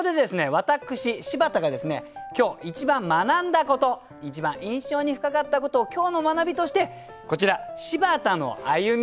私柴田がですね今日一番学んだこと一番印象に深かったことを今日の学びとしてこちら「柴田の歩み」